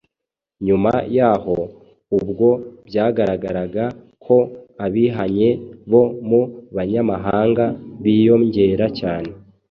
Nyuma y’aho, ubwo byagaragaraga ko abihanye bo mu banyamahanga biyongera cyane,